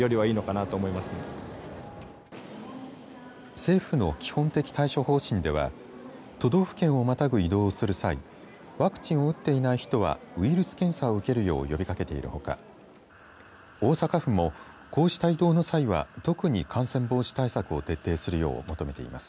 政府の基本的対処方針では都道府県をまたぐ移動をする際ワクチンを打っていない人はウイルス検査を受けるよう呼びかけているほか大阪府もこうした移動の際は特に感染防止対策を徹底するよう求めています。